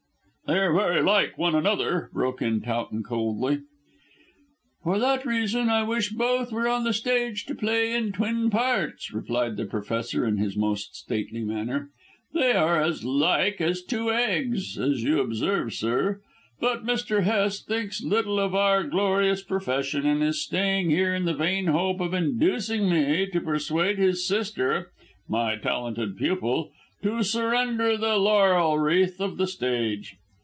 "They are very like one another," broke in Towton coldly. "For that reason I wish both were on the stage to play in twin parts," replied the Professor in his most stately manner. "They are as like as two eggs, as you observe, sir. But Mr. Hest thinks little of our glorious profession, and is staying here in the vain hope of inducing me to persuade his sister, my talented pupil, to surrender the laurel wreath of the stage.